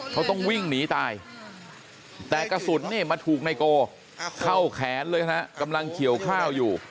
เพราะต้องวิ่งหนีตายแต่กระสุนเนี่ตมาถูกในโกเข้าแขนเลยนะครับ